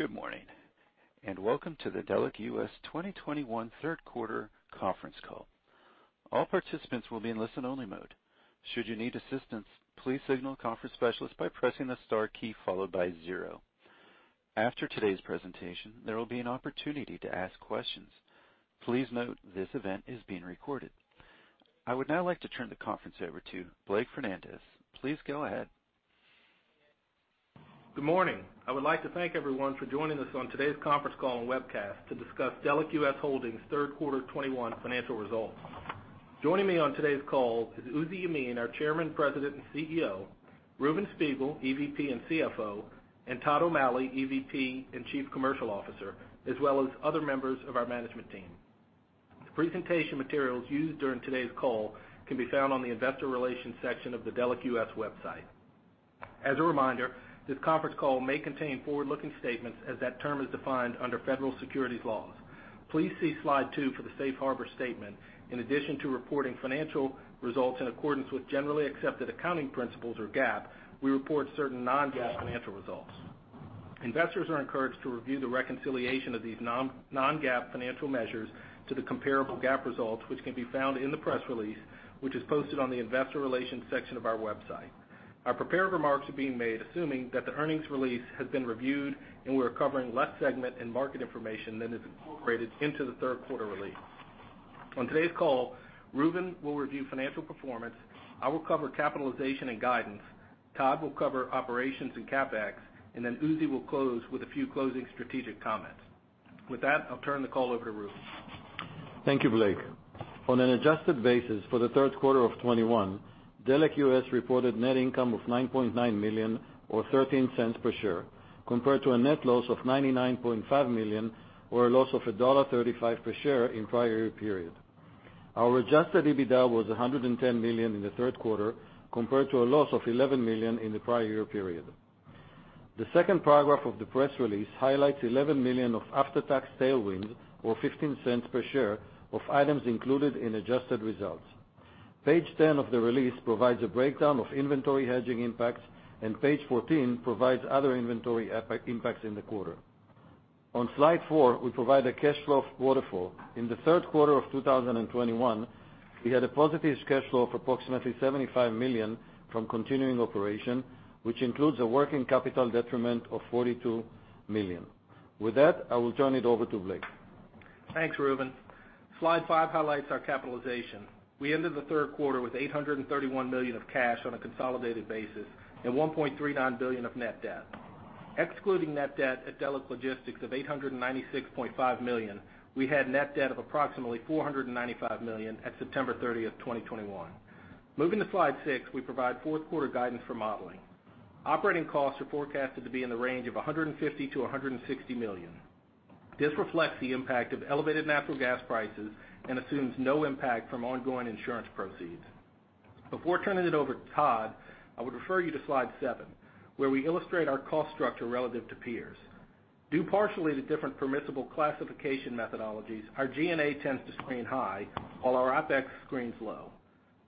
Good morning, and welcome to the Delek US 2021 third quarter conference call. All participants will be in listen-only mode. Should you need assistance, please signal the conference specialist by pressing the star key followed by zero. After today's presentation, there will be an opportunity to ask questions. Please note this event is being recorded. I would now like to turn the conference over to Blake Fernandez. Please go ahead. Good morning. I would like to thank everyone for joining us on today's conference call and webcast to discuss Delek US Holdings third quarter 2021 financial results. Joining me on today's call is Uzi Yemin, our Chairman, President, and CEO, Reuven Spiegel, EVP and CFO, and Todd O'Malley, EVP and Chief Commercial Officer, as well as other members of our management team. The presentation materials used during today's call can be found on the investor relations section of the Delek US website. As a reminder, this conference call may contain forward-looking statements as that term is defined under federal securities laws. Please see slide 2 for the safe harbor statement. In addition to reporting financial results in accordance with generally accepted accounting principles or GAAP, we report certain non-GAAP financial results. Investors are encouraged to review the reconciliation of these non-GAAP financial measures to the comparable GAAP results, which can be found in the press release, which is posted on the investor relations section of our website. Our prepared remarks are being made assuming that the earnings release has been reviewed and we're covering less segment and market information than is incorporated into the third quarter release. On today's call, Reuven will review financial performance, I will cover capitalization and guidance, Todd will cover operations and CapEx, and then Uzi will close with a few closing strategic comments. With that, I'll turn the call over to Reuven. Thank you, Blake. On an adjusted basis for the third quarter of 2021, Delek US reported net income of $9.9 million or $0.13 per share, compared to a net loss of $99.5 million or a loss of $1.35 per share in prior year period. Our adjusted EBITDA was $110 million in the third quarter, compared to a loss of $11 million in the prior year period. The second paragraph of the press release highlights $11 million of after-tax tailwinds or $0.15 per share of items included in adjusted results. Page 10 of the release provides a breakdown of inventory hedging impacts, and page 14 provides other inventory impacts in the quarter. On slide 4, we provide a cash flow waterfall. In the third quarter of 2021, we had a positive cash flow of approximately $75 million from continuing operations, which includes a working capital detriment of $42 million. With that, I will turn it over to Blake. Thanks, Reuven. Slide 5 highlights our capitalization. We ended the third quarter with $831 million of cash on a consolidated basis and $1.39 billion of net debt. Excluding net debt at Delek Logistics of $896.5 million, we had net debt of approximately $495 million at September 30, 2021. Moving to slide 6, we provide fourth quarter guidance for modeling. Operating costs are forecasted to be in the range of $150 million-$160 million. This reflects the impact of elevated natural gas prices and assumes no impact from ongoing insurance proceeds. Before turning it over to Todd, I would refer you to slide 7, where we illustrate our cost structure relative to peers. Due partially to different permissible classification methodologies, our G&A tends to screen high while our OpEx screens low.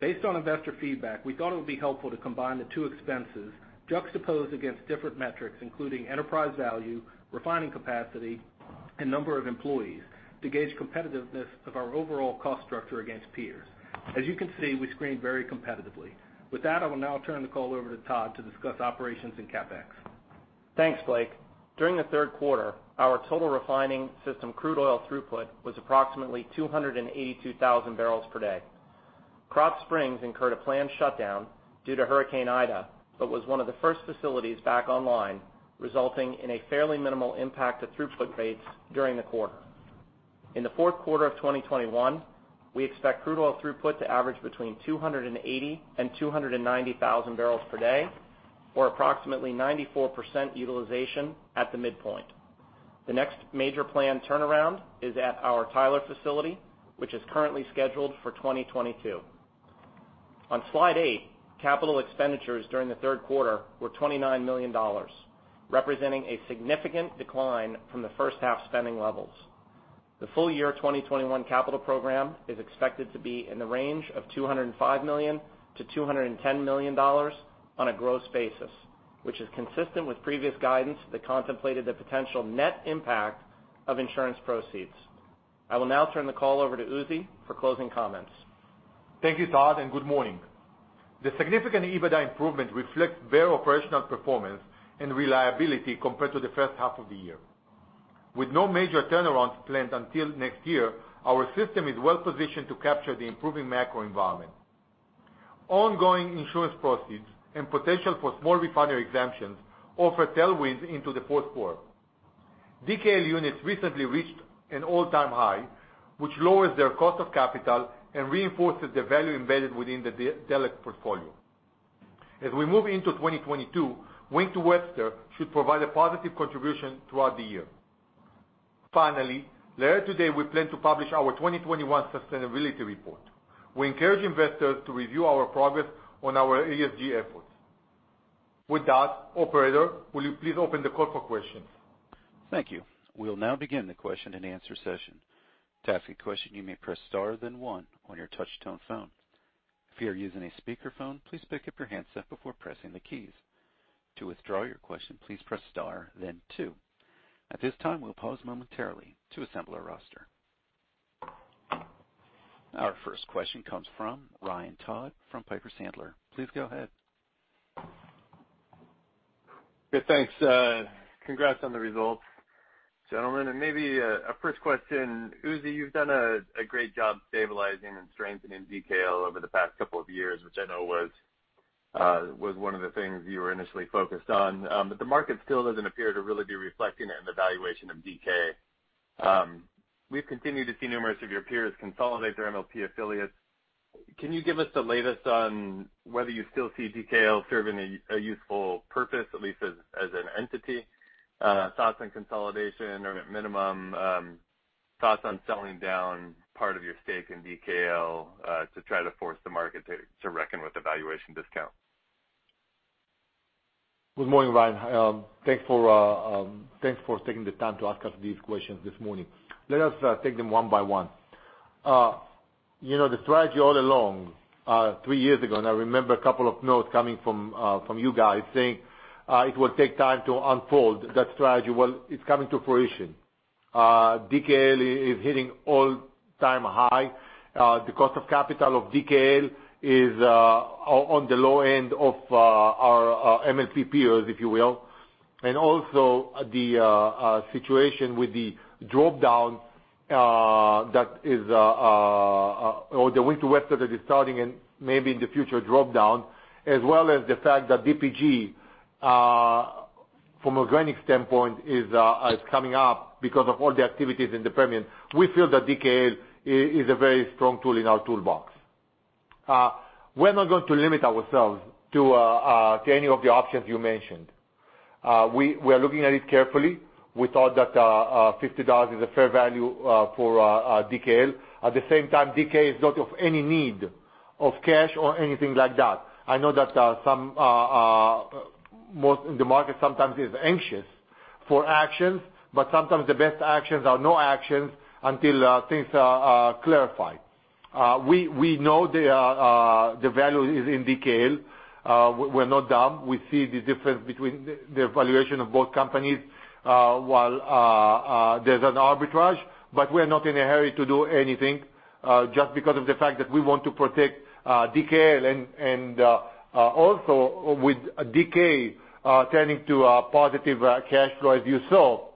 Based on investor feedback, we thought it would be helpful to combine the two expenses juxtaposed against different metrics, including enterprise value, refining capacity, and number of employees, to gauge competitiveness of our overall cost structure against peers. As you can see, we screen very competitively. With that, I will now turn the call over to Todd to discuss operations and CapEx. Thanks, Blake. During the third quarter, our total refining system crude oil throughput was approximately 282,000 barrels per day. Krotz Springs incurred a planned shutdown due to Hurricane Ida, but was one of the first facilities back online, resulting in a fairly minimal impact to throughput rates during the quarter. In the fourth quarter of 2021, we expect crude oil throughput to average between 280,000 and 290,000 barrels per day, or approximately 94% utilization at the midpoint. The next major planned turnaround is at our Tyler facility, which is currently scheduled for 2022. On slide 8, capital expenditures during the third quarter were $29 million, representing a significant decline from the first half spending levels. The full year 2021 capital program is expected to be in the range of $205 million-$210 million on a gross basis, which is consistent with previous guidance that contemplated the potential net impact of insurance proceeds. I will now turn the call over to Uzi for closing comments. Thank you, Todd, and good morning. The significant EBITDA improvement reflects better operational performance and reliability compared to the first half of the year. With no major turnarounds planned until next year, our system is well positioned to capture the improving macro environment. Ongoing insurance proceeds and potential for small refinery exemptions offer tailwinds into the fourth quarter. DKL units recently reached an all-time high, which lowers their cost of capital and reinforces the value embedded within the Delek portfolio. As we move into 2022, Wink to Webster should provide a positive contribution throughout the year. Finally, later today, we plan to publish our 2021 sustainability report. We encourage investors to review our progress on our ESG efforts. With that, operator, will you please open the call for questions? Thank you. We'll now begin the question and answer session. To ask a question, you may press star then one on your touch-tone phone If you're using a speakerphone, please pick up your handset before pressing the keys. To withdraw your question, please press star then two. At this time, we'll pause momentarily to assemble our roster. Our first question comes from Ryan Todd from Piper Sandler. Please go ahead. Good. Thanks. Congrats on the results, gentlemen. Maybe a first question. Uzi, you've done a great job stabilizing and strengthening DKL over the past couple of years, which I know was one of the things you were initially focused on. But the market still doesn't appear to really be reflecting it in the valuation of DK. We've continued to see numerous of your peers consolidate their MLP affiliates. Can you give us the latest on whether you still see DKL serving a useful purpose, at least as an entity? Thoughts on consolidation or minimum, thoughts on selling down part of your stake in DKL to try to force the market to reckon with the valuation discount. Good morning, Ryan. Thanks for taking the time to ask us these questions this morning. Let us take them one by one. You know, the strategy all along, three years ago, and I remember a couple of notes coming from you guys saying, it will take time to unfold that strategy. Well, it's coming to fruition. DKL is hitting all-time high. The cost of capital of DKL is on the low end of our MLP peers, if you will. Also the situation with the drop-down, that is or the winter weather that is starting and maybe in the future drop-down, as well as the fact that DPG from organic standpoint is coming up because of all the activities in the Permian. We feel that DKL is a very strong tool in our toolbox. We're not going to limit ourselves to any of the options you mentioned. We're looking at it carefully. We thought that $50 is a fair value for DKL. At the same time, DK is not in any need of cash or anything like that. I know that the market sometimes is anxious for actions, but sometimes the best actions are no actions until things are clarified. We know the value is in DKL. We're not dumb. We see the difference between the valuation of both companies while there's an arbitrage, but we're not in a hurry to do anything just because we want to protect DKL and also with DK turning to a positive cash flow as you saw,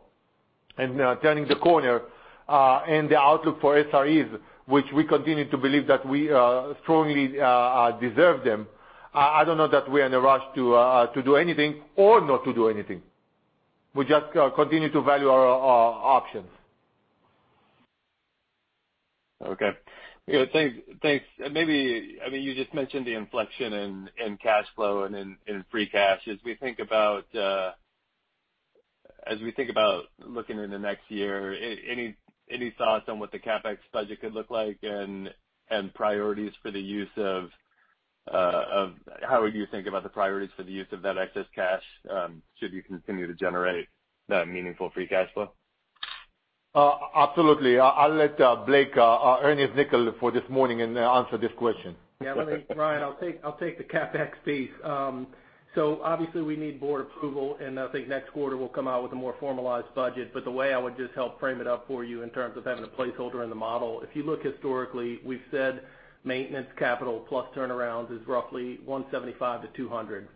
and turning the corner, and the outlook for SREs, which we continue to believe that we strongly deserve them. I don't know that we are in a rush to do anything or not to do anything. We just continue to value our options. Okay. Yeah, thanks. Maybe, I mean, you just mentioned the inflection in cash flow and in free cash. As we think about looking in the next year, any thoughts on what the CapEx budget could look like and how are you thinking about the priorities for the use of that excess cash should you continue to generate that meaningful free cash flow? Absolutely. I'll let Blake earn his nickel for this morning and answer this question. Yeah. Ryan, I'll take the CapEx piece. Obviously we need board approval, and I think next quarter we'll come out with a more formalized budget. The way I would just help frame it up for you in terms of having a placeholder in the model, if you look historically, we've said maintenance capital plus turnarounds is roughly $175 million-$200 million.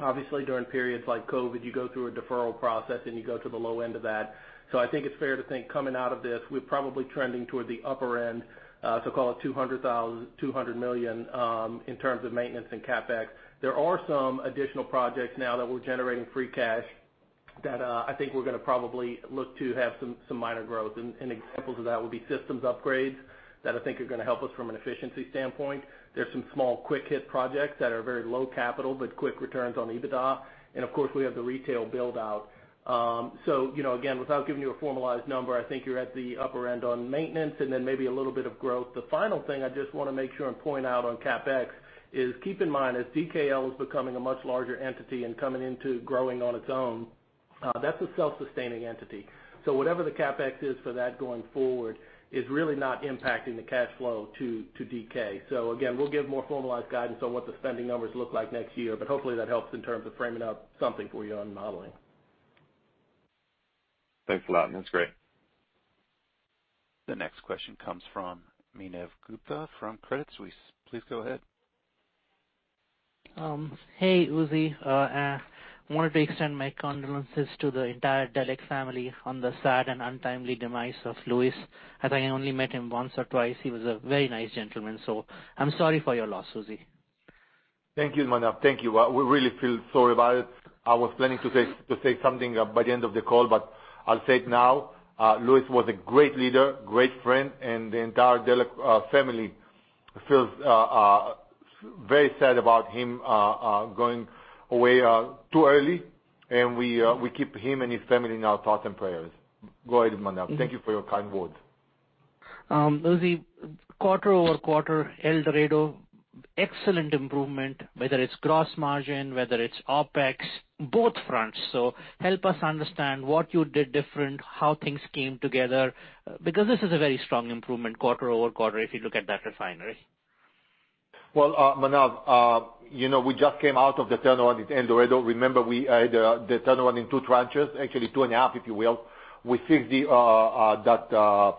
Obviously, during periods like COVID, you go through a deferral process, and you go to the low end of that. I think it's fair to think coming out of this, we're probably trending toward the upper end, so call it $200 million in terms of maintenance and CapEx. There are some additional projects now that we're generating free cash that I think we're gonna probably look to have some minor growth. Examples of that would be systems upgrades that I think are gonna help us from an efficiency standpoint. There's some small quick-hit projects that are very low capital, but quick returns on EBITDA. Of course, we have the retail build-out. Again, without giving you a formalized number, I think you're at the upper end on maintenance and then maybe a little bit of growth. The final thing I just wanna make sure and point out on CapEx is keep in mind as DKL is becoming a much larger entity and coming into growing on its own, that's a self-sustaining entity. Whatever the CapEx is for that going forward is really not impacting the cash flow to DK. Again, we'll give more formalized guidance on what the spending numbers look like next year, but hopefully that helps in terms of framing up something for you on modeling. Thanks a lot. That's great. The next question comes from Manav Gupta from Credit Suisse. Please go ahead. Hey, Uzi. Wanted to extend my condolences to the entire Delek family on the sad and untimely demise of Louis. As I only met him once or twice, he was a very nice gentleman. I'm sorry for your loss, Uzi. Thank you, Manav. Thank you. We really feel sorry about it. I was planning to say something by the end of the call, but I'll say it now. Louis was a great leader, great friend, and the entire Delek family feels very sad about him going away too early. We keep him and his family in our thoughts and prayers. Go ahead, Manav. Thank you for your kind words. Uzi, quarter-over-quarter, El Dorado, excellent improvement, whether it's gross margin, whether it's OpEx, both fronts. Help us understand what you did different, how things came together, because this is a very strong improvement quarter-over-quarter, if you look at that refinery. Well, Manav, we just came out of the turnaround at El Dorado. Remember the turnaround in two tranches, actually two and a half, if you will. We fixed that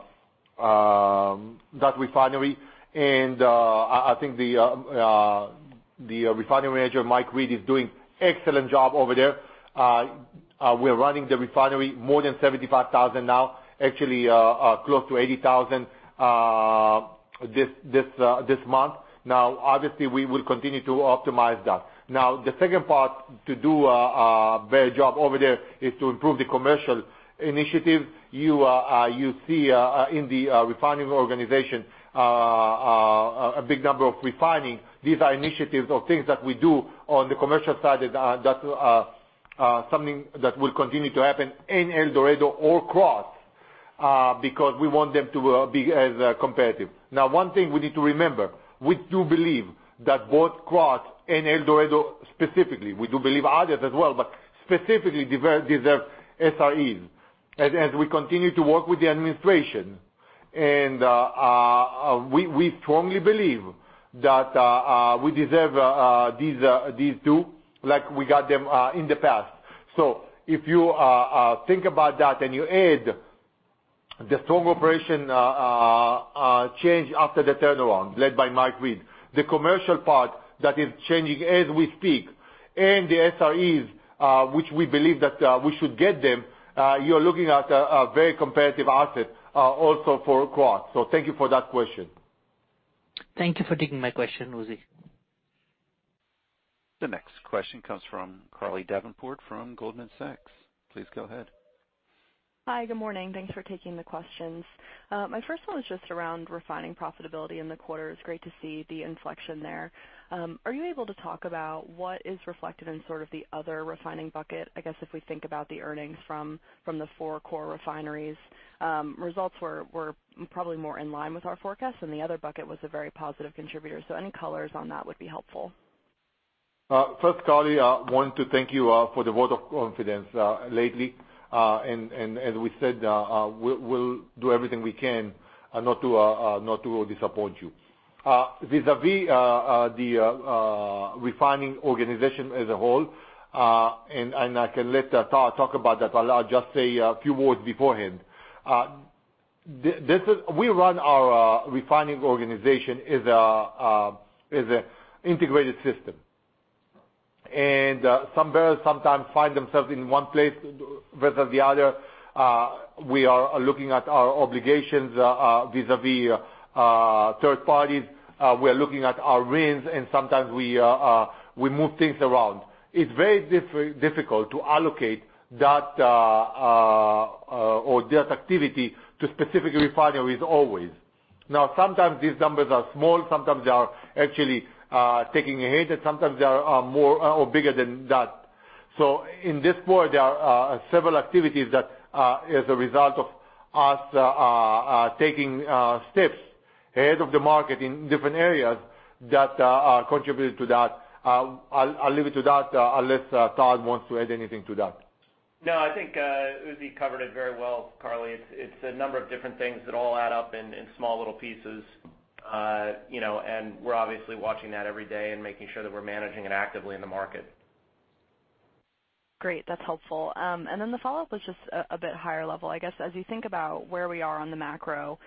refinery. I think the refinery manager, Mike Reed, is doing excellent job over there. We're running the refinery more than 75,000 now, actually, close to 80,000, this month. Now, obviously, we will continue to optimize that. Now, the second part to do a better job over there is to improve the commercial initiative. You see, in the refining organization, a big number of refining. These are initiatives or things that we do on the commercial side that are something that will continue to happen in El Dorado or Krotz Springs because we want them to be as competitive. Now, one thing we need to remember, we do believe that both Krotz Springs and El Dorado specifically, we do believe others as well, but specifically deserve SREs. As we continue to work with the administration, and we strongly believe that we deserve these two like we got them in the past. If you think about that and you add the strong operational change after the turnaround led by Mike Reed, the commercial part that is changing as we speak, and the SREs, which we believe that we should get them, you're looking at a very competitive asset, also for Krotz. Thank you for that question. Thank you for taking my question, Uzi. The next question comes from Carly Davenport from Goldman Sachs. Please go ahead. Hi, good morning. Thanks for taking the questions. My first one is just around refining profitability in the quarter. It's great to see the inflection there. Are you able to talk about what is reflected in sort of the other refining bucket? I guess if we think about the earnings from the four core refineries, results were probably more in line with our forecast, and the other bucket was a very positive contributor. Any colors on that would be helpful. First, Carly, I want to thank you for the vote of confidence lately. As we said, we'll do everything we can not to disappoint you. Vis-a-vis the refining organization as a whole, I can let Todd talk about that. I'll just say a few words beforehand. We run our refining organization as an integrated system. Some barrels sometimes find themselves in one place rather than the other. We are looking at our obligations vis-a-vis third parties. We are looking at our RINs, and sometimes we move things around. It's very difficult to allocate that or that activity to specific refineries always. Now, sometimes these numbers are small, sometimes they are actually taking a hit, and sometimes they are more or bigger than that. In this quarter, there are several activities that as a result of us taking steps ahead of the market in different areas that contributed to that. I'll leave it to that unless Todd wants to add anything to that. No, I think Uzi covered it very well, Carly. It's a number of different things that all add up in small little pieces. We're obviously watching that every day and making sure that we're managing it actively in the market. Great. That's helpful. The follow-up was just a bit higher level. I guess, as you think about where we are on the macro,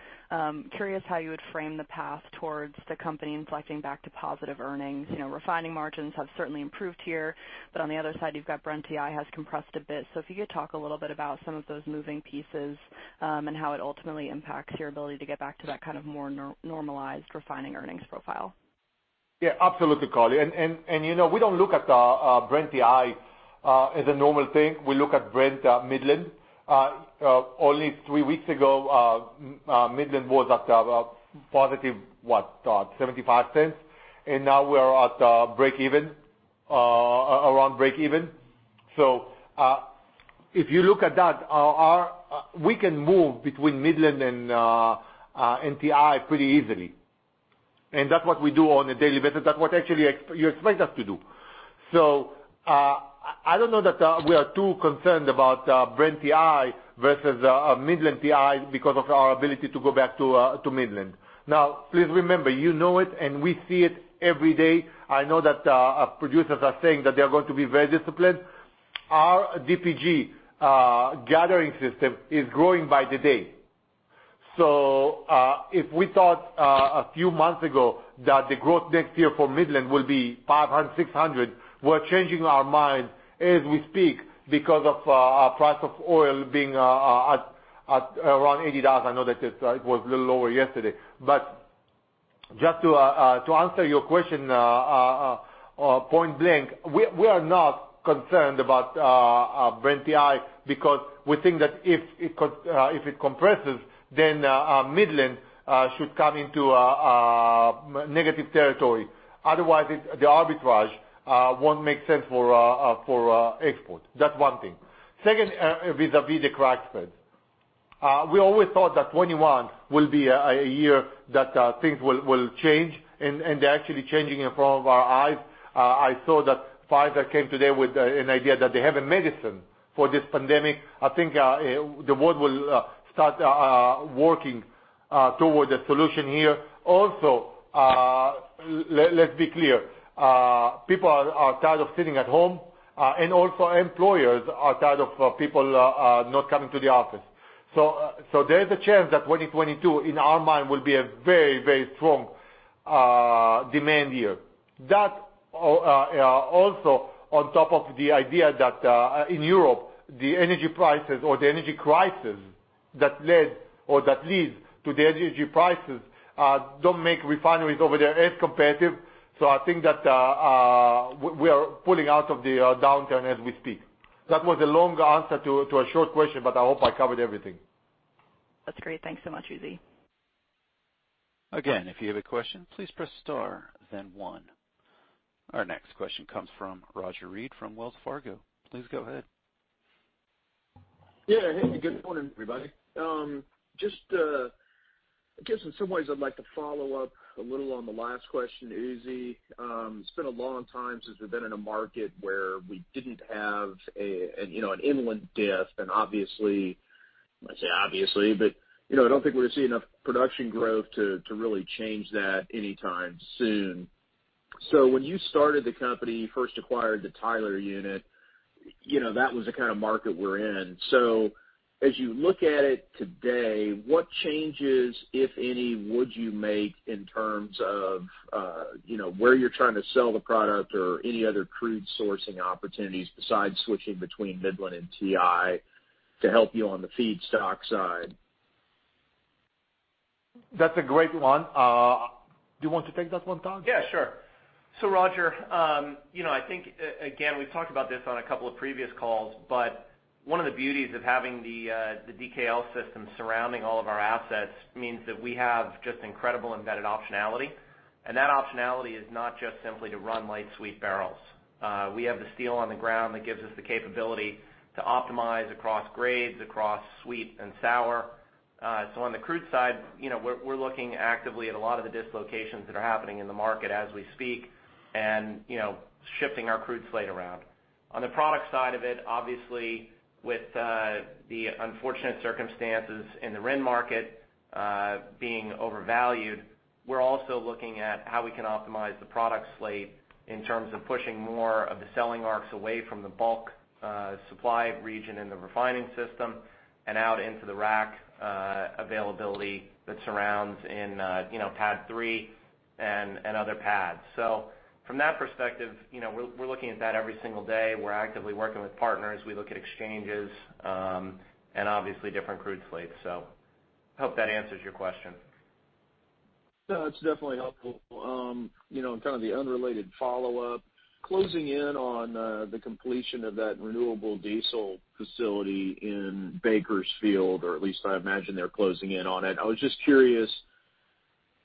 curious how you would frame the path towards the company inflecting back to positive earnings. Refining margins have certainly improved here, but on the other side, you've got Brent-WTI has compressed a bit. If you could talk a little bit about some of those moving pieces, and how it ultimately impacts your ability to get back to that kind of more normalized refining earnings profile. Yeah, absolutely, Carly. We don't look at Brent-WTI as a normal thing. We look at Brent-Midland. Only three weeks ago, Midland was at positive, what, Todd, $0.75, and now we're at breakeven, around breakeven. If you look at that, we can move between Midland and TI pretty easily. That's what we do on a daily basis. That's what you actually expect us to do. I don't know that we are too concerned about Brent-WTI versus Midland WTI because of our ability to go back to Midland. Please remember, you know it and we see it every day. I know that producers are saying that they are going to be very disciplined. Our DPG gathering system is growing by the day. If we thought a few months ago that the growth next year for Midland will be 500, 600, we're changing our mind as we speak because of price of oil being at around $80. I know that it was a little lower yesterday. Just to answer your question point blank, we are not concerned about Brent-WWTI because we think that if it compresses, then Midland should come into negative territory. Otherwise, the arbitrage won't make sense for export. That's one thing. Second, vis-à-vis the crack spread. We always thought that 2021 will be a year that things will change, and they're actually changing in front of our eyes. I saw that Pfizer came today with an idea that they have a medicine for this pandemic. I think the world will start working towards a solution here. Also, let's be clear, people are tired of sitting at home, and also employers are tired of people not coming to the office. There's a chance that 2022, in our mind, will be a very strong demand year. That also on top of the idea that in Europe, the energy prices or the energy crisis that led or that leads to the energy prices don't make refineries over there as competitive. I think that we are pulling out of the downturn as we speak. That was a long answer to a short question, but I hope I covered everything. That's great. Thanks so much, Uzi. Again, if you have a question, please press star then one. Our next question comes from Roger Read from Wells Fargo. Please go ahead. Yeah. Hey, good morning, everybody. Just, I guess in some ways I'd like to follow up a little on the last question, Uzi. It's been a long time since we've been in a market where we didn't have a, you know, an inland diff. Obviously, I say obviously, but, I don't think we're gonna see enough production growth to really change that anytime soon. When you started the company, you first acquired the Tyler unit, you know, that was the kind of market we're in. As you look at it today, what changes, if any, would you make in terms of, you know, where you're trying to sell the product or any other crude sourcing opportunities besides switching between Midland and TI to help you on the feedstock side? That's a great one. Do you want to take that one, Todd? Yeah, sure. Roger I think again, we've talked about this on a couple of previous calls, but one of the beauties of having the DKL system surrounding all of our assets means that we have just incredible embedded optionality. That optionality is not just simply to run light sweet barrels. We have the steel on the ground that gives us the capability to optimize across grades, across sweet and sour. On the crude side, we're looking actively at a lot of the dislocations that are happening in the market as we speak and, you know, shifting our crude slate around. On the product side of it, obviously, with the unfortunate circumstances in the RIN market being overvalued, we're also looking at how we can optimize the product slate in terms of pushing more of the selling arcs away from the bulk supply region in the refining system and out into the rack availability that surrounds in, you know, pad three and other pads. From that perspective, you know, we're looking at that every single day. We're actively working with partners. We look at exchanges, and obviously different crude slates. I hope that answers your question. Yeah, that's definitely helpful. You know, kind of the unrelated follow-up, closing in on the completion of that renewable diesel facility in Bakersfield, or at least I imagine they're closing in on it. I was just curious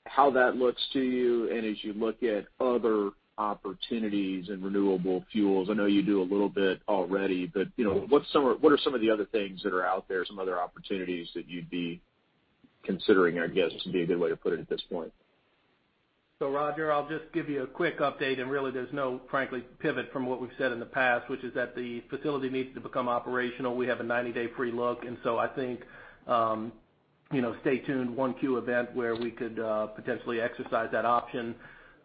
how that looks to you, and as you look at other opportunities in renewable fuels, I know you do a little bit already, but you know, what are some of the other things that are out there, some other opportunities that you'd be considering, I guess, would be a good way to put it at this point. Roger, I'll just give you a quick update, and really there's no, frankly, pivot from what we've said in the past, which is that the facility needs to become operational. We have a 90-day free look. I think, you know, stay tuned, 1Q event where we could, potentially exercise that option.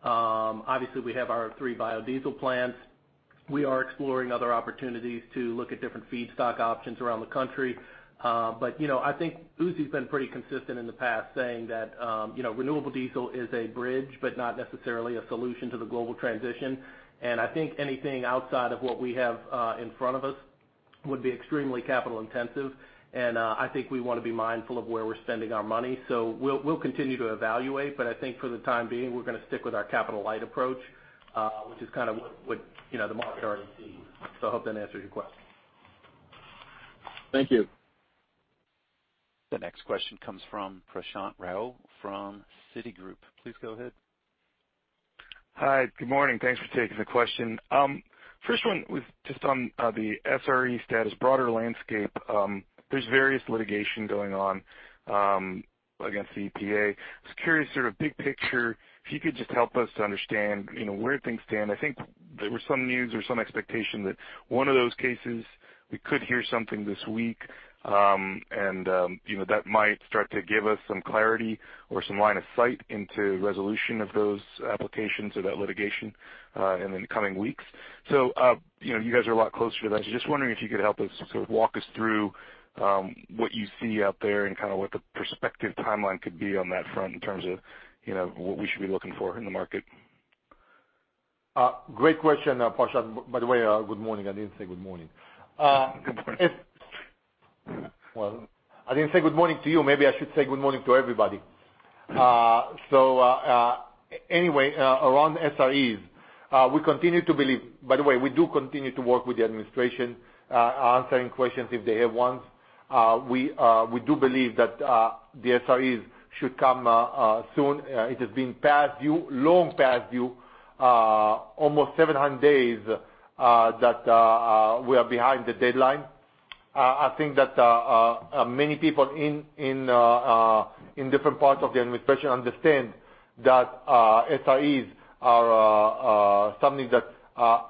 Obviously, we have our 3 biodiesel plants. We are exploring other opportunities to look at different feedstock options around the country. But, you know, I think Uzi's been pretty consistent in the past saying that, you know, renewable diesel is a bridge, but not necessarily a solution to the global transition. I think anything outside of what we have in front of us would be extremely capital intensive. I think we wanna be mindful of where we're spending our money. We'll continue to evaluate, but I think for the time being, we're gonna stick with our capital light approach, which is kind of what you know, the market already sees. I hope that answers your question. Thank you. The next question comes from Prashant Rao from Citigroup. Please go ahead. Hi, good morning. Thanks for taking the question. First one was just on the SRE status broader landscape. There's various litigation going on against the EPA. Just curious, sort of big picture, if you could just help us to understand, you know, where things stand. I think there were some news or some expectation that one of those cases, we could hear something this week, and, you know, that might start to give us some clarity or some line of sight into resolution of those applications or that litigation, in the coming weeks. You know, you guys are a lot closer to that. Just wondering if you could help us sort of walk us through what you see out there and kind of what the prospective timeline could be on that front in terms of, you know, what we should be looking for in the market. Great question, Prashant. By the way, good morning. I didn't say good morning. Good morning. Well, I didn't say good morning to you. Maybe I should say good morning to everybody. Around SREs, we continue to believe. By the way, we do continue to work with the administration, answering questions if they have ones. We do believe that the SREs should come soon. It has been past due, long past due, almost 700 days that we are behind the deadline. I think that many people in different parts of the administration understand that SREs are something that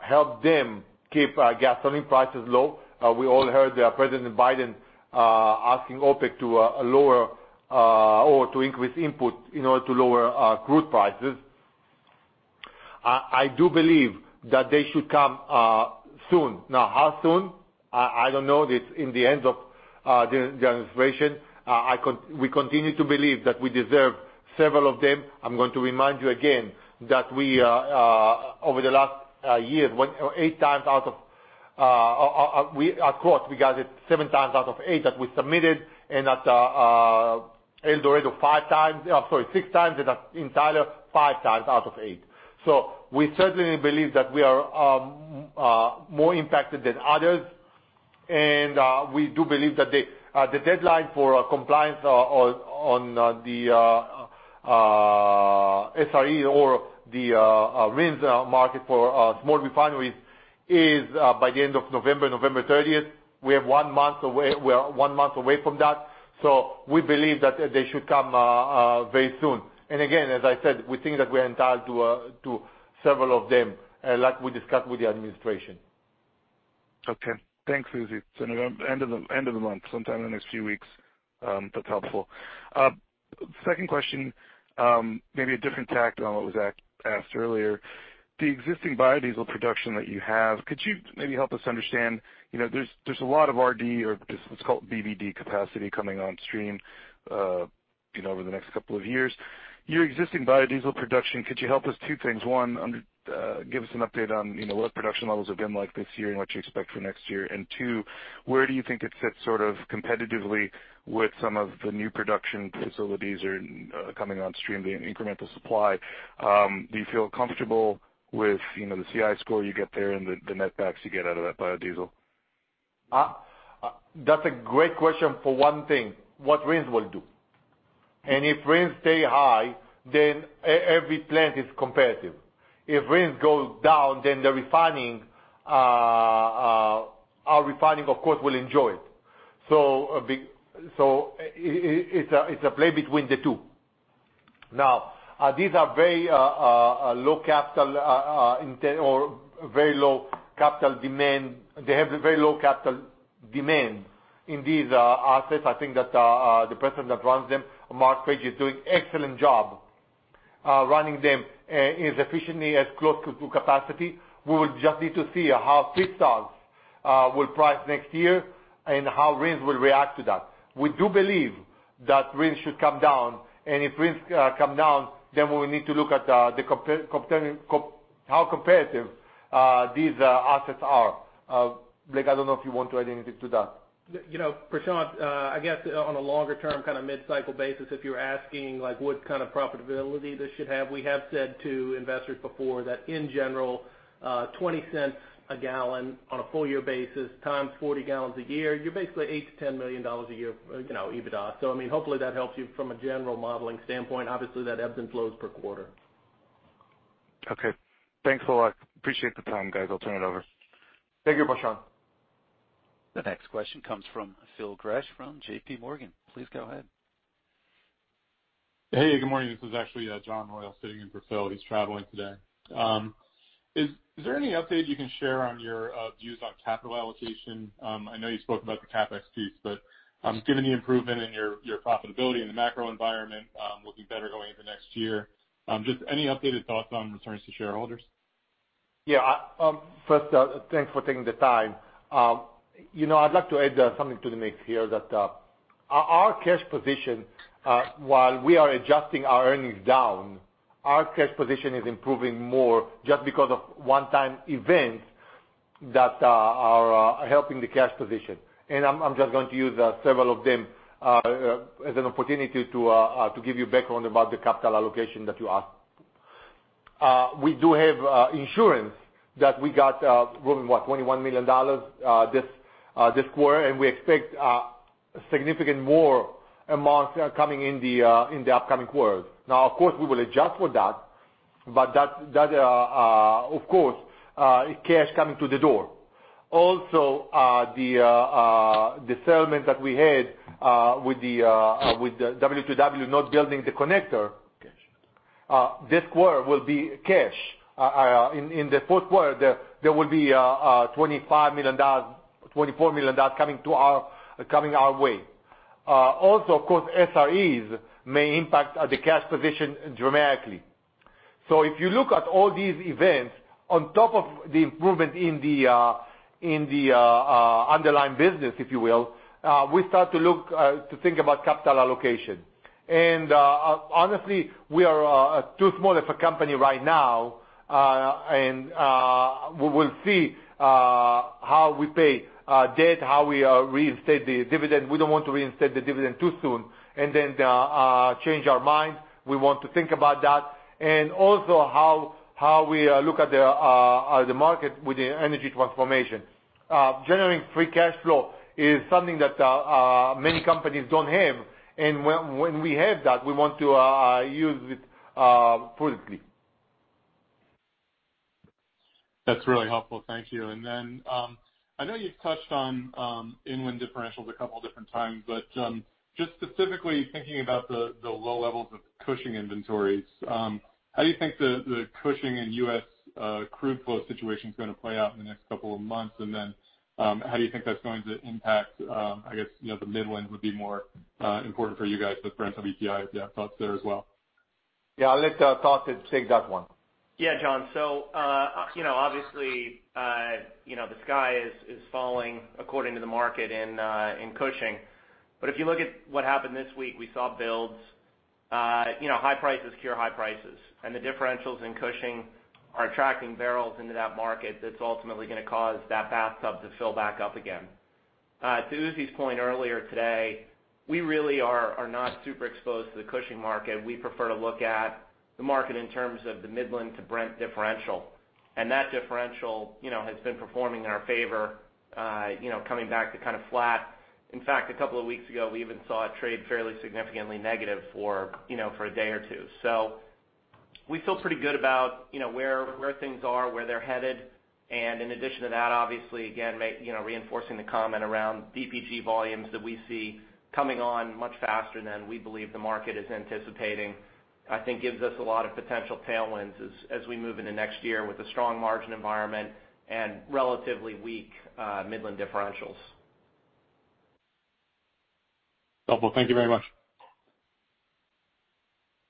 help them keep gasoline prices low. We all heard that President Biden asking OPEC to lower or to increase output in order to lower crude prices. I do believe that they should come soon. Now, how soon? I don't know this in the end of the administration. We continue to believe that we deserve several of them. I'm going to remind you again that we are over the last eight years when eight times out of eight of course we got it seven times out of eight that we submitted and at El Dorado five times, sorry, six times and at Tyler five times out of eight. So we certainly believe that we are more impacted than others. We do believe that the deadline for compliance on the SRE or the RINs market for small refineries is by the end of November thirtieth. We are one month away from that. We believe that they should come very soon. Again, as I said, we think that we are entitled to several of them, like we discussed with the administration. Okay. Thanks, Uzi. End of the month, sometime in the next few weeks, that's helpful. Second question, maybe a different tack on what was asked earlier. The existing biodiesel production that you have, could you maybe help us understand, there's a lot of RD or just what's called BBD capacity coming on stream, you know, over the next couple of years. Your existing biodiesel production, could you help us two things? One, give us an update on, you know, what production levels have been like this year and what you expect for next year. And two, where do you think it fits sort of competitively with some of the new production facilities are coming on stream, the incremental supply? Do you feel comfortable with, you know, the CI score you get there and the net backs you get out of that biodiesel? That's a great question for one thing, what RINs will do. If RINs stay high, then every plant is competitive. If RINs goes down, then the refining, our refining, of course, will enjoy it. It's a play between the two. Now, these are very low capital intensity or very low capital demand. They have a very low capital demand in these assets. I think that the person that runs them, Mark Page, is doing excellent job running them as efficiently as close to capacity. We will just need to see how feedstocks will price next year and how RINs will react to that. We do believe that RINs should come down, and if RINs come down, then we will need to look at how competitive these assets are. Blake, I don't know if you want to add anything to that. Prashant, I guess on a longer-term kind of mid-cycle basis, if you're asking like what kind of profitability this should have, we have said to investors before that in general, $0.20 a gallon on a full year basis times 40 gallons a year, you're basically $8 million-$10 million a year, you know, EBITDA. I mean, hopefully that helps you from a general modeling standpoint. Obviously, that ebbs and flows per quarter. Okay. Thanks a lot. I appreciate the time, guys. I'll turn it over. Thank you, Prashant. The next question comes from Phil Gresh from J.P. Morgan. Please go ahead. Hey, good morning. This is actually John Royall sitting in for Phil. He's traveling today. Is there any update you can share on your views on capital allocation? I know you spoke about the CapEx piece, but given the improvement in your profitability and the macro environment will be better going into next year. Just any updated thoughts on returns to shareholders? Yeah. First, thanks for taking the time. I'd like to add something to the mix here that our cash position while we are adjusting our earnings down, our cash position is improving more just because of one-time events that are helping the cash position. I'm just going to use several of them as an opportunity to give you background about the capital allocation that you asked. We do have insurance that we got what $21 million this quarter, and we expect significant more amounts coming in the upcoming quarters. Now, of course, we will adjust for that, but that, of course, cash coming to the door. The settlement that we had with the W2W not building the connector this quarter will be cash. In the fourth quarter, there will be $25 million, $24 million coming our way. Of course, SREs may impact the cash position dramatically. If you look at all these events on top of the improvement in the underlying business, if you will, we start to look to think about capital allocation. Honestly, we are too small of a company right now, and we will see how we pay debt, how we reinstate the dividend. We don't want to reinstate the dividend too soon and then change our mind. We want to think about that. Also how we look at the market with the energy transformation. Generating free cash flow is something that many companies don't have. When we have that, we want to use it fully. That's really helpful. Thank you. Then, I know you've touched on inland differentials a couple different times, but just specifically thinking about the low levels of Cushing inventories, how do you think the Cushing and U.S. crude flow situation is gonna play out in the next couple of months? Then, how do you think that's going to impact, I guess the Midland would be more important for you guys with Brent-WTI if you have thoughts there as well? Yeah. I'll let Todd take that one. Yeah, John. Obviously, you know, the sky is falling according to the market in Cushing. If you look at what happened this week, we saw builds. You know, high prices cure high prices, and the differentials in Cushing are attracting barrels into that market that's ultimately gonna cause that bathtub to fill back up again. To Uzi's point earlier today, we really are not super exposed to the Cushing market. We prefer to look at the market in terms of the Midland to Brent differential. That differential, you know, has been performing in our favor, you know, coming back to kind of flat. In fact, a couple of weeks ago, we even saw it trade fairly significantly negative for you know, a day or two. We feel pretty good about, you know, where things are, where they're headed. In addition to that, obviously, again, you know, reinforcing the comment around DPG volumes that we see coming on much faster than we believe the market is anticipating, I think gives us a lot of potential tailwinds as we move into next year with a strong margin environment and relatively weak Midland differentials. Helpful. Thank you very much.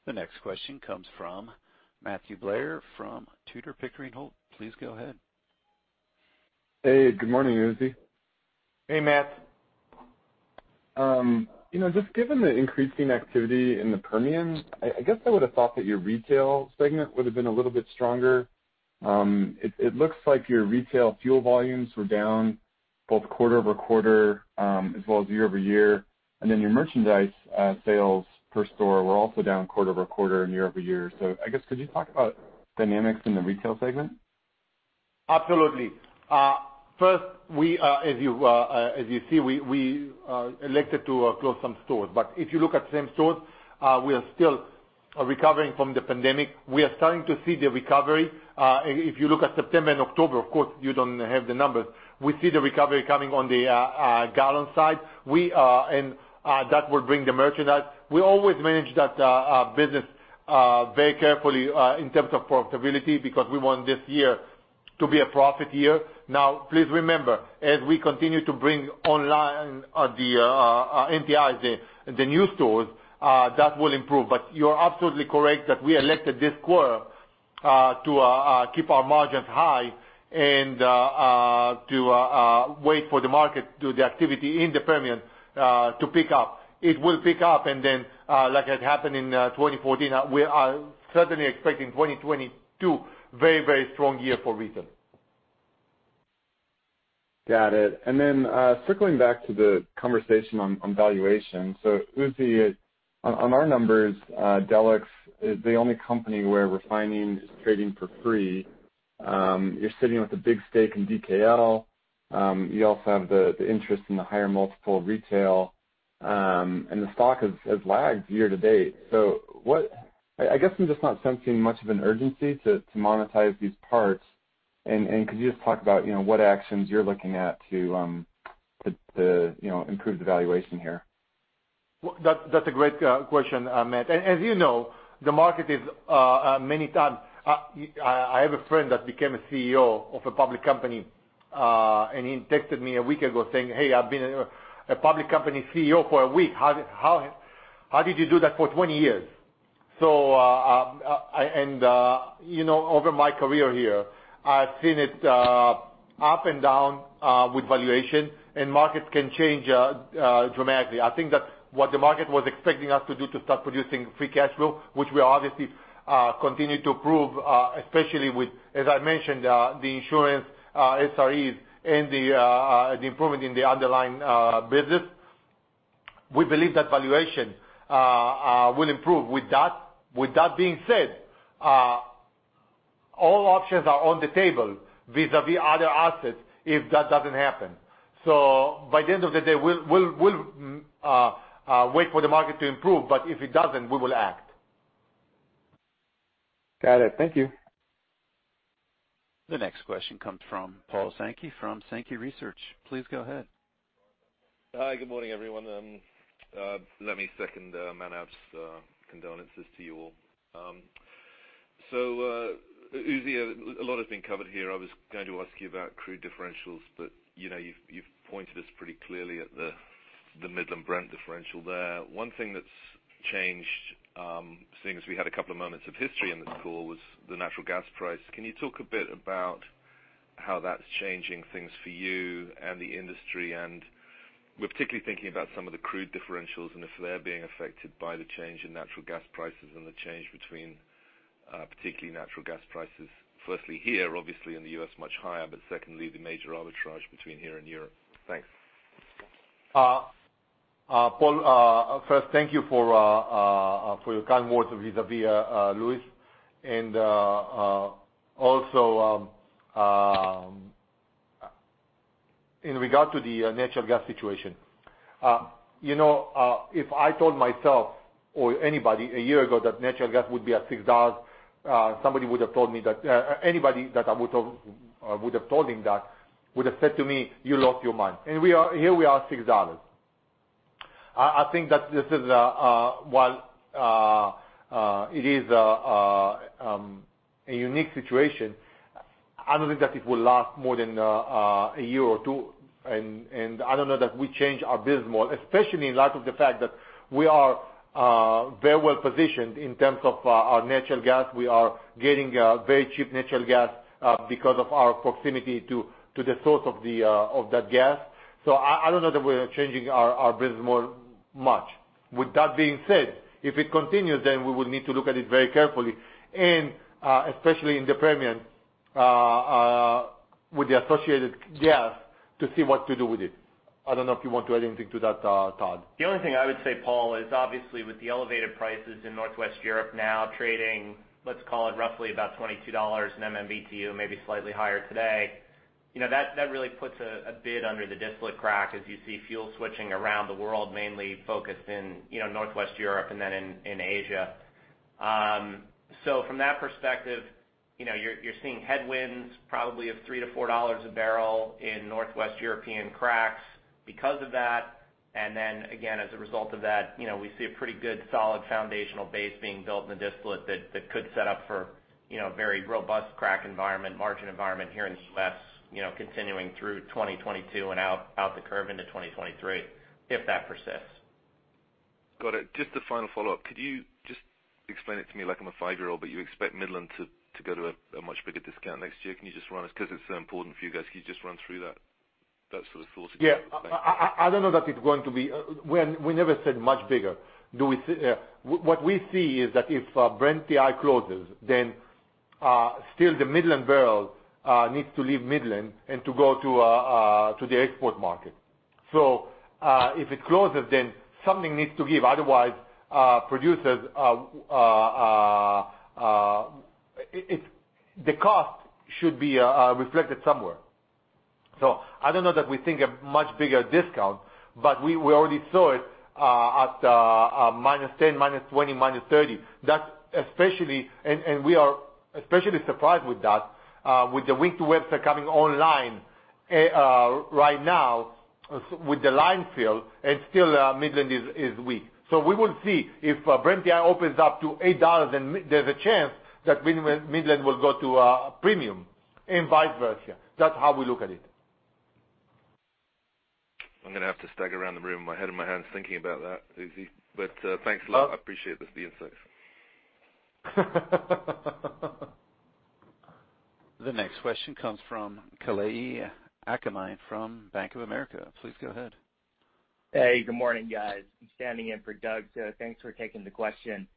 The next question comes from Matthew Blair from Tudor, Pickering, Holt & Co. Please go ahead. Hey, good morning, Uzi. Hey, Matt. Given the increasing activity in the Permian, I guess I would have thought that your retail segment would have been a little bit stronger. It looks like your retail fuel volumes were down both quarter-over-quarter, as well as year-over-year, and then your merchandise sales per store were also down quarter-over-quarter and year-over-year. I guess, could you talk about dynamics in the retail segment? Absolutely. First, as you see, we elected to close some stores. If you look at same stores, we are still recovering from the pandemic. We are starting to see the recovery. If you look at September and October, of course, you don't have the numbers. We see the recovery coming on the gallon side. That will bring the merchandise. We always manage that business very carefully in terms of profitability, because we want this year to be a profit year. Now, please remember, as we continue to bring online the NTI, the new stores, that will improve. You're absolutely correct that we elected this quarter to keep our margins high and to wait for the market activity in the Permian to pick up. It will pick up, and then like it happened in 2014, we are certainly expecting 2022, very, very strong year for retail. Got it. Then, circling back to the conversation on valuation. Uzi, on our numbers, Delek is the only company where refining is trading for free. You're sitting with a big stake in DKL. You also have the interest in the higher multiple retail, and the stock has lagged year to date. What I guess I'm just not sensing much of an urgency to monetize these parts. Could you just talk about, what actions you're looking at to, you know, improve the valuation here? Well, that's a great question, Matt. As you know, the market is many times. I have a friend that became a CEO of a public company, and he texted me a week ago saying, "Hey, I've been a public company CEO for a week. How did you do that for 20 years?" You know, over my career here, I've seen it up and down with valuation, and markets can change dramatically. I think that what the market was expecting us to do to start producing free cash flow, which we obviously continue to prove, especially with, as I mentioned, the insurance, SREs and the improvement in the underlying business. We believe that valuation will improve with that. With that being said, all options are on the table vis-à-vis other assets if that doesn't happen. By the end of the day, we'll wait for the market to improve, but if it doesn't, we will act. Got it. Thank you. The next question comes from Paul Sankey from Sankey Research. Please go ahead. Hi, good morning, everyone. Let me second Manav's condolences to you all. So, Uzi, a lot has been covered here. I was going to ask you about crude differentials, but, you know, you've pointed us pretty clearly at the Midland Brent differential there. One thing that's changed, seeing as we had a couple of moments of history in this call, was the natural gas price. Can you talk a bit about how that's changing things for you and the industry? We're particularly thinking about some of the crude differentials and if they're being affected by the change in natural gas prices and the change between, particularly natural gas prices, firstly here, obviously in the U.S., much higher, but secondly, the major arbitrage between here and Europe. Thanks. Paul, first, thank you for your kind words vis-à-vis Louis. Also, in regard to the natural gas situation. You know, if I told myself or anybody a year ago that natural gas would be at $6, somebody would have told me that. Anybody that I would talk to would have told me that, would have said to me, "You lost your mind." Here we are at $6. I think that this is. While it is a unique situation, I don't think that it will last more than a year or two, and I don't know that we change our business model, especially in light of the fact that we are very well-positioned in terms of our natural gas. We are getting very cheap natural gas because of our proximity to the source of that gas. I don't know that we are changing our business model much. With that being said, if it continues, we will need to look at it very carefully, especially in the Permian with the associated gas to see what to do with it. I don't know if you want to add anything to that, Todd. The only thing I would say, Paul, is obviously with the elevated prices in Northwest Europe now trading, let's call it roughly about $22 in MMBtu, maybe slightly higher today, you know, that really puts a bid under the distillate crack as you see fuel switching around the world, mainly focused in, you know, Northwest Europe and then in Asia. From that perspective, you know, you're seeing headwinds probably of $3-$4 a barrel in Northwest European cracks because of that. As a result of that, you know, we see a pretty good solid foundational base being built in the distillate that could set up for, you know, a very robust crack environment, margin environment here in the U.S., you know, continuing through 2022 and out the curve into 2023, if that persists. Got it. Just a final follow-up. Could you just explain it to me like I'm a five-year-old, but you expect Midland to go to a much bigger discount next year? Can you just run us through that, 'cause it's so important for you guys? Yeah. I don't know that it's going to be. We never said much bigger. What we see is that if Brent-TI closes, then still the Midland barrels needs to leave Midland and to go to the export market. If it closes, then something needs to give. Otherwise, producers, the cost should be reflected somewhere. I don't know that we think a much bigger discount, but we already saw it at -$10, -$20, -$30. That's especially. We are especially surprised with that, with the Wink to Webster coming online right now with the line fill and still Midland is weak. We will see if Brent-TI opens up to $8, then there's a chance that Midland will go to premium and vice versa. That's how we look at it. I'm gonna have to stagger around the room with my head in my hands thinking about that, Uzi. Thanks a lot. I appreciate this, the insights. The next question comes from Kalei Akamine from Bank of America. Please go ahead. Hey, good morning, guys. I'm standing in for Doug, so thanks for taking the question.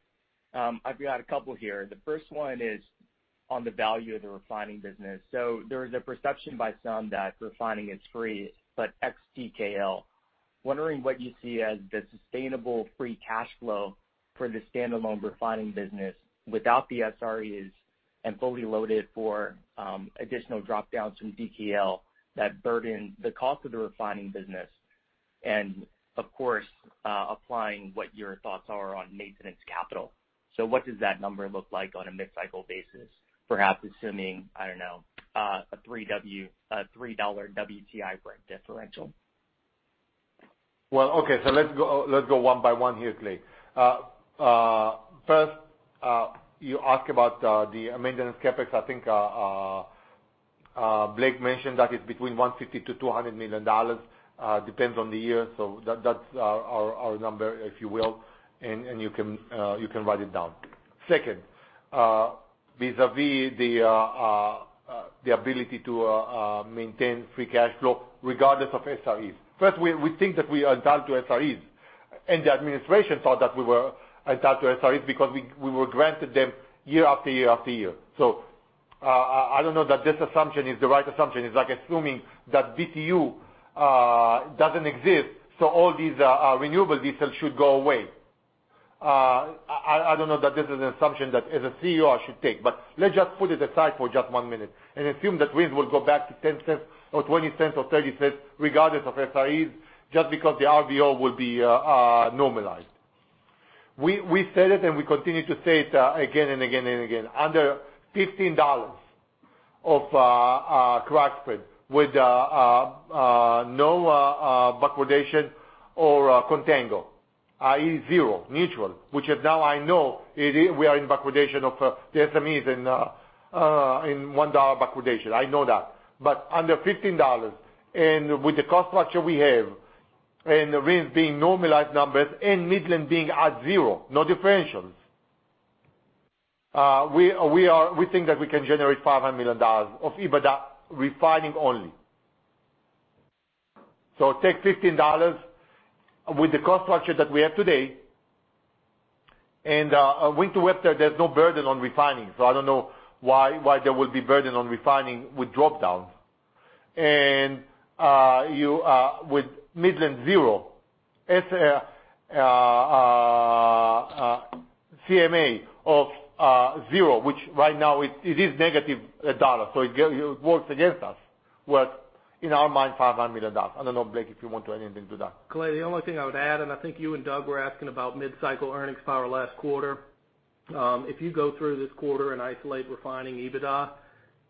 I've got a couple here. The first one is on the value of the refining business. There is a perception by some that refining is free, but ex DKL. Wondering what you see as the sustainable free cash flow for the standalone refining business without the SREs and fully loaded for additional drop-downs from DKL that burden the cost of the refining business and of course applying what your thoughts are on maintenance capital. What does that number look like on a mid-cycle basis, perhaps assuming, I don't know, a $3 WTI Brent differential? Well, okay, let's go one by one here, Kalei. First, you ask about the maintenance CapEx. I think Blake mentioned that it's between $150 million-$200 million, depends on the year. That, that's our number, if you will, and you can write it down. Second, vis-à-vis the ability to maintain free cash flow regardless of SREs. First, we think that we are entitled to SREs, and the administration thought that we were entitled to SREs because we were granted them year after year after year. I don't know that this assumption is the right assumption. It's like assuming that BTC doesn't exist, so all these renewable diesel should go away. I don't know that this is an assumption that as a CEO I should take. Let's just put it aside for just one minute and assume that RINs will go back to $0.10 or $0.20 or $0.30 regardless of SREs, just because the RVO will be normalized. We said it and we continue to say it again and again. Under $15 crack spread with no backwardation or contango, i.e., zero, neutral, which is now. I know it is. We are in backwardation of the SREs and $1 backwardation. I know that. Under $15 and with the cost structure we have and the RINs being normalized numbers and Midland being at zero, no differentials, we think that we can generate $500 million of EBITDA refining only. Take $15 with the cost structure that we have today and Wink to Webster, there's no burden on refining. I don't know why there will be burden on refining with drop-downs. With Midland zero, it's CMA of zero, which right now it is -$1, so it works against us. Where in our mind, $500 million. I don't know, Blake, if you want to add anything to that. Kalei, the only thing I would add, and I think you and Doug were asking about mid-cycle earnings power last quarter. If you go through this quarter and isolate refining EBITDA,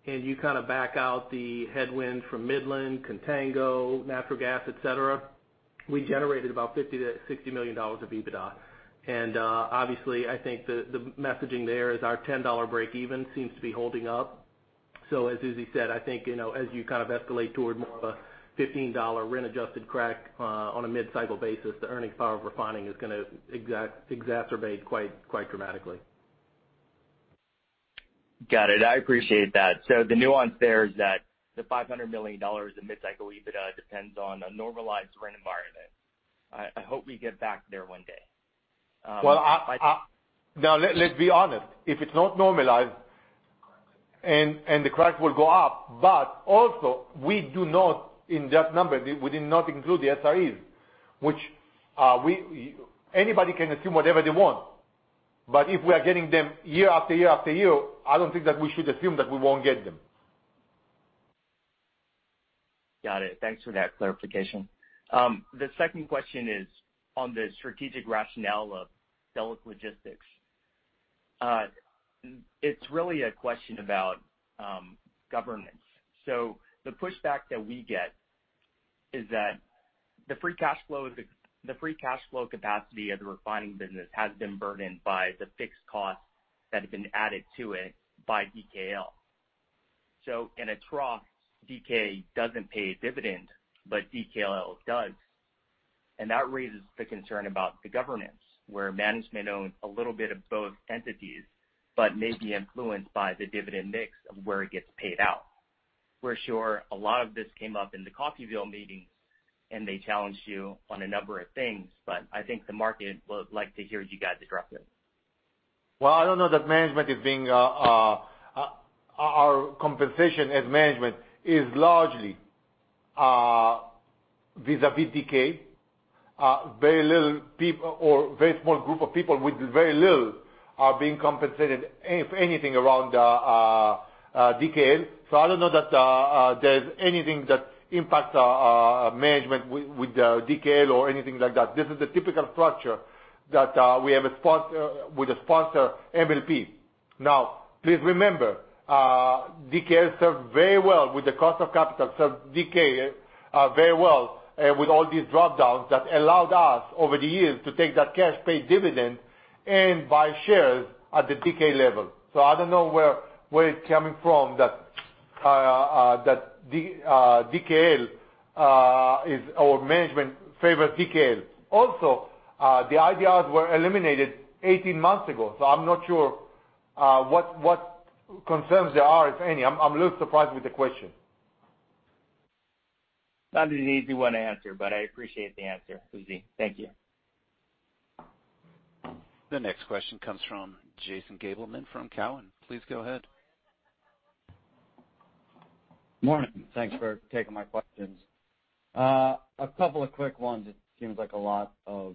and you kind of back out the headwind from Midland, contango, natural gas, et cetera, we generated about $50-$60 million of EBITDA. Obviously, I think the messaging there is our $10 breakeven seems to be holding up. As Uzi said, I think, you know, as you kind of escalate toward more of a $15 2:1-adjusted crack, on a mid-cycle basis, the earnings power of refining is gonna exacerbate quite dramatically. Got it. I appreciate that. The nuance there is that the $500 million in mid-cycle EBITDA depends on a normalized Brent environment. I hope we get back there one day. Well, now, let's be honest. If it's not normalized, and the crack will go up, but also, in that number, we did not include the SREs, which anybody can assume whatever they want. If we are getting them year after year after year, I don't think that we should assume that we won't get them. Got it. Thanks for that clarification. The second question is on the strategic rationale of Delek Logistics. It's really a question about governance. The pushback that we get is that the free cash flow capacity of the refining business has been burdened by the fixed costs that have been added to it by DKL. In a trough, DK doesn't pay a dividend, but DKL does. That raises the concern about the governance, where management owns a little bit of both entities, but may be influenced by the dividend mix of where it gets paid out. We're sure a lot of this came up in the Coffeyville meetings, and they challenged you on a number of things, but I think the market would like to hear you guys address it. Well, I don't know that management is being. Our compensation as management is largely vis-à-vis DK. Very little or very small group of people with very little are being compensated if anything around DKL. So I don't know that there's anything that impacts management with DKL or anything like that. This is a typical structure that we have with a sponsor MLP. Now, please remember, DKL served very well with the cost of capital, served DK very well with all these drop-downs that allowed us over the years to take that cash payout dividend and buy shares at the DK level. So I don't know where it's coming from that DKL or management favor DKL. Also, the IDRs were eliminated 18 months ago, so I'm not sure what concerns there are, if any. I'm a little surprised with the question. Not an easy one to answer, but I appreciate the answer, Uzi. Thank you. The next question comes from Jason Gabelman from TD Cowen. Please go ahead. Morning. Thanks for taking my questions. A couple of quick ones. It seems like a lot of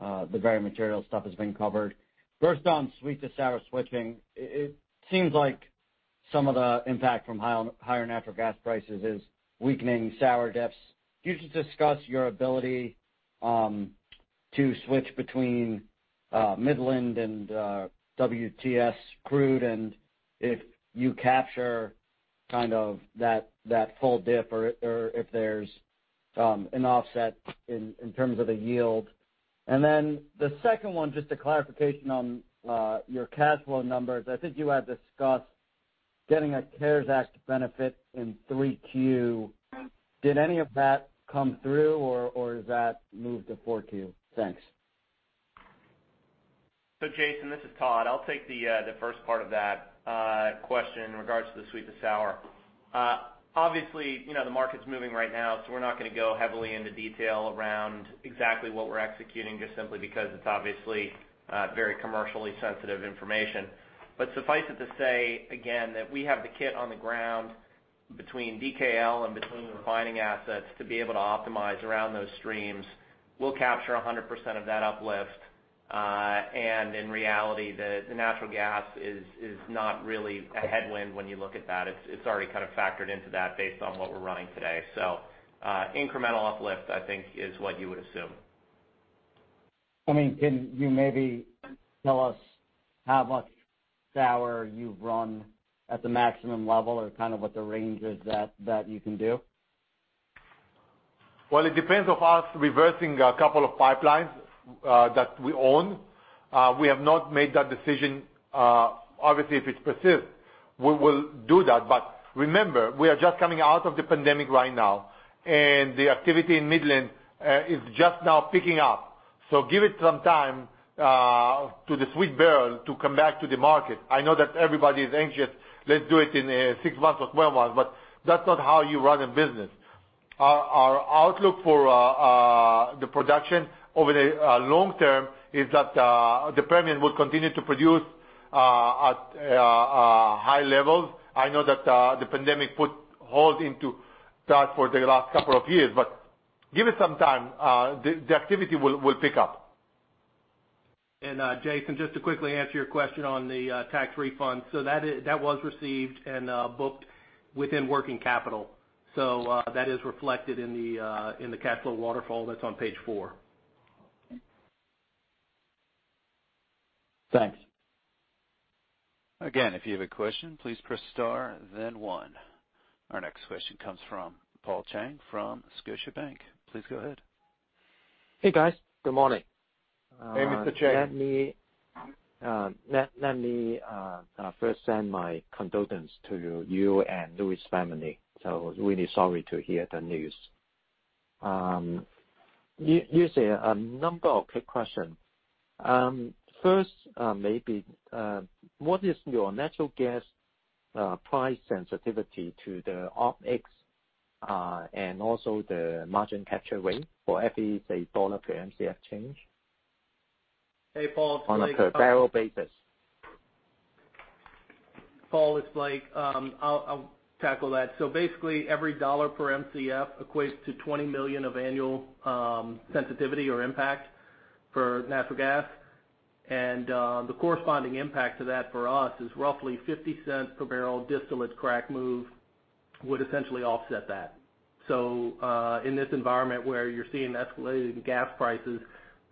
the very material stuff has been covered. First, on sweet to sour switching, it seems like some of the impact from higher natural gas prices is weakening sour depths. Can you just discuss your ability to switch between Midland and WTS crude, and if you capture kind of that full dip or if there's an offset in terms of the yield? The second one, just a clarification on your cash flow numbers. I think you had discussed getting a CARES Act benefit in 3Q. Did any of that come through or does that move to 4Q? Thanks. Jason, this is Todd. I'll take the first part of that question in regards to the sweet to sour. Obviously, you know, the market's moving right now, so we're not gonna go heavily into detail around exactly what we're executing, just simply because it's obviously very commercially sensitive information. But suffice it to say, again, that we have the kit on the ground between DKL and between the refining assets to be able to optimize around those streams. We'll capture 100% of that uplift. And in reality, the natural gas is not really a headwind when you look at that. It's already kind of factored into that based on what we're running today. Incremental uplift, I think, is what you would assume. I mean, can you maybe tell us how much sour you've run at the maximum level or kind of what the range is that you can do? Well, it depends on us reversing a couple of pipelines that we own. We have not made that decision. Obviously, if it's pursued, we will do that. Remember, we are just coming out of the pandemic right now, and the activity in Midland is just now picking up. Give it some time to the sweet barrel to come back to the market. I know that everybody is anxious. Let's do it in 6 months or 12 months, but that's not how you run a business. Our outlook for the production over the long term is that the Permian will continue to produce at high levels. I know that the pandemic put a hold on that for the last couple of years. Give it some time, the activity will pick up. Jason, just to quickly answer your question on the tax refund. That was received and booked within working capital. That is reflected in the capital waterfall that's on page four. Thanks. Again, if you have a question, please press star then one. Our next question comes from Paul Cheng from Scotiabank. Please go ahead. Hey, guys. Good morning. Hey, Mr. Cheng. Let me first send my condolences to you and Louis' family. Really sorry to hear the news. Uzi, a number of quick questions. First, maybe what is your natural gas price sensitivity to the OpEx and also the margin capture rate for every, say, $1 per Mcf change? Hey, Paul, it's Blake. On a per barrel basis. Paul, it's Blake. I'll tackle that. Basically every $1 per Mcf equates to $20 million of annual sensitivity or impact for natural gas. The corresponding impact to that for us is roughly $0.50 per barrel distillate crack move would essentially offset that. In this environment where you're seeing escalated gas prices,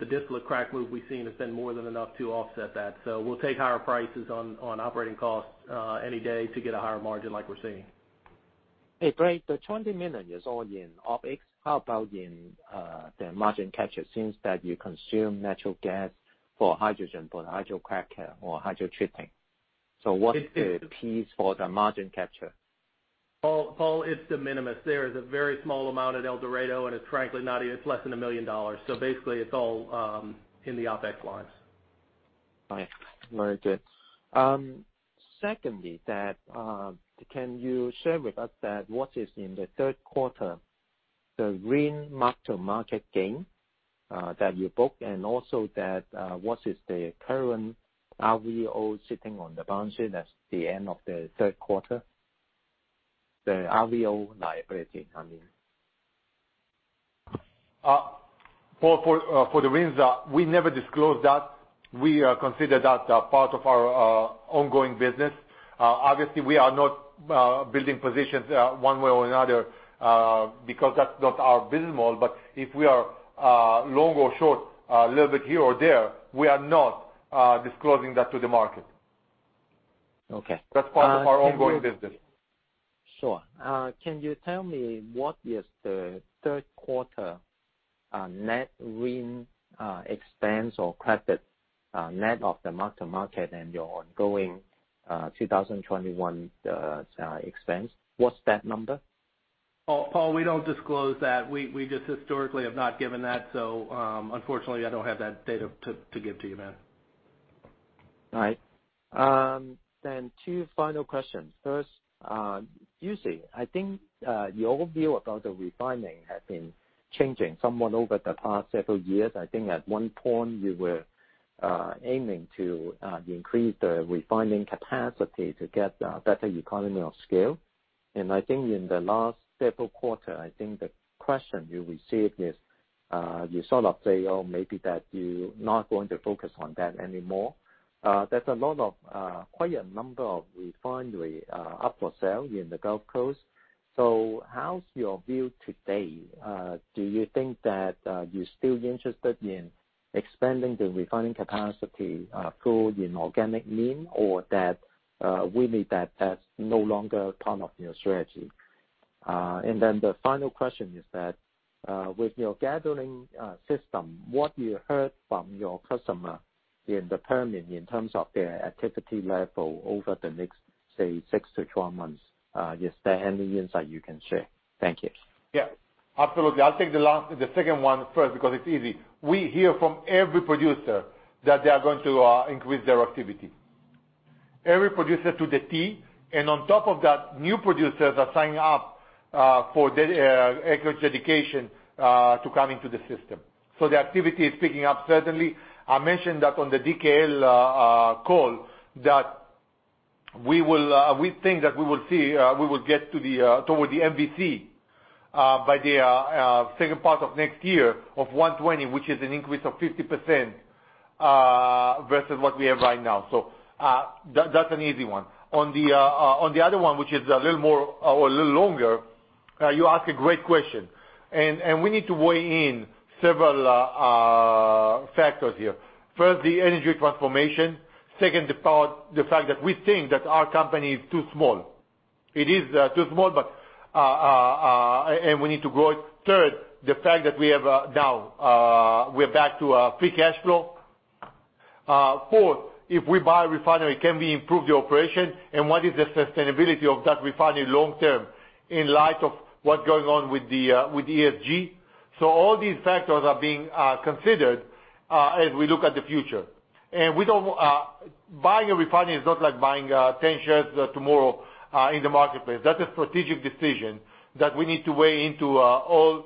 the distillate crack move we've seen has been more than enough to offset that. We'll take higher prices on operating costs any day to get a higher margin like we're seeing. Hey, Blake, the $20 million is all in OpEx. How about in the margin capture since that you consume natural gas for hydrogen, for hydrocracker or hydro treating? What's the piece for the margin capture? Paul, it's de minimis. There is a very small amount at El Dorado, and it's frankly less than $1 million. Basically it's all in the OpEx lines. Right. Very good. Secondly, that, can you share with us that what is in the third quarter, the RIN mark-to-market gain, that you book, and also that, what is the current RVO sitting on the balance sheet at the end of the third quarter? The RVO liability, I mean. Paul, for the RINs, we never disclose that. We consider that part of our ongoing business. Obviously, we are not building positions one way or another because that's not our business model. If we are long or short a little bit here or there, we are not disclosing that to the market. Okay. That's part of our ongoing business. Sure. Can you tell me what is the third quarter net RIN expense or credit, net of the mark-to-market and your ongoing 2021 expense? What's that number? Paul, we don't disclose that. We just historically have not given that, so unfortunately, I don't have that data to give to you, man. All right. Two final questions. First, Yossi, I think your view about the refining has been changing somewhat over the past several years. I think at one point you were aiming to increase the refining capacity to get better economy of scale. I think in the last several quarter, I think the question you received is, you sort of say, oh, maybe that you not going to focus on that anymore. There's a lot of quite a number of refinery up for sale in the Gulf Coast. How's your view today? Do you think that you're still interested in expanding the refining capacity through an organic mean or that we need that as no longer part of your strategy? The final question is that, with your gathering system, what you heard from your customer in the Permian in terms of their activity level over the next, say, 6-12 months? Is there any insight you can share? Thank you. Yeah. Absolutely. I'll take the second one first because it's easy. We hear from every producer that they are going to increase their activity. Every producer to the T, and on top of that, new producers are signing up for the acreage dedication to come into the system. So the activity is picking up certainly. I mentioned that on the DKL call that we think that we will see toward the MVC by the second part of next year of 120, which is an increase of 50% versus what we have right now. So that's an easy one. On the other one, which is a little more or a little longer, you ask a great question. We need to weigh in several factors here. First, the energy transformation. Second, the fact that we think that our company is too small. It is too small, but we need to grow it. Third, the fact that we have now we're back to free cash flow. Fourth, if we buy a refinery, can we improve the operation? And what is the sustainability of that refinery long term in light of what's going on with ESG? All these factors are being considered as we look at the future. Buying a refinery is not like buying 10 shares tomorrow in the marketplace. That's a strategic decision that we need to weigh into all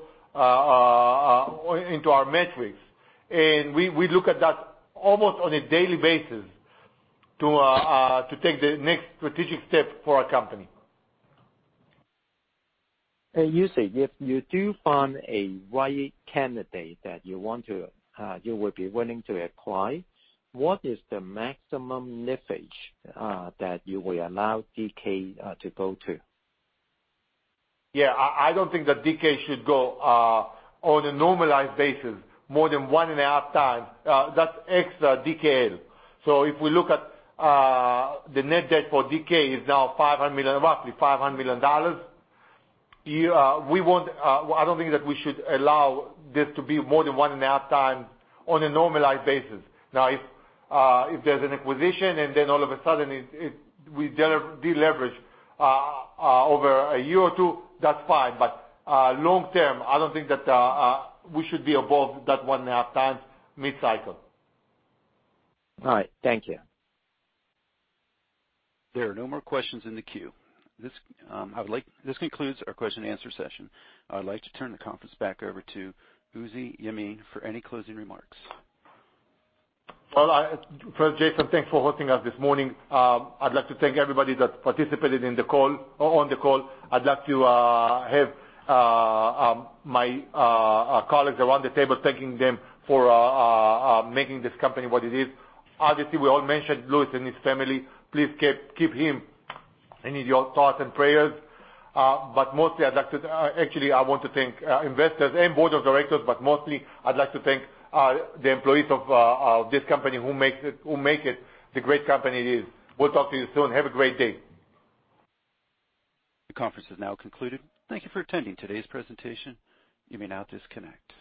into our metrics. We look at that almost on a daily basis to take the next strategic step for our company. Uzi, if you do find a right candidate that you want to, you would be willing to acquire, what is the maximum leverage that you will allow DK to go to? I don't think that DK should go on a normalized basis more than 1.5 times, that's extra DKL. If we look at the net debt for DK is now $500 million, roughly $500 million. We want, well, I don't think that we should allow this to be more than 1.5 times on a normalized basis. If there's an acquisition and then all of a sudden we deleverage over a year or two, that's fine. Long term, I don't think that we should be above that 1.5 times mid-cycle. All right. Thank you. There are no more questions in the queue. This concludes our question and answer session. I would like to turn the conference back over to Uzi Yemin for any closing remarks. Well, first, Jason, thanks for hosting us this morning. I'd like to thank everybody that participated in the call or on the call. I'd like to have my colleagues around the table, thanking them for making this company what it is. Obviously, we all mentioned Louis and his family. Please keep him in your thoughts and prayers. Mostly I'd like to actually I want to thank investors and board of directors, but mostly I'd like to thank the employees of this company who make it the great company it is. We'll talk to you soon. Have a great day. The conference is now concluded. Thank you for attending today's presentation. You may now disconnect.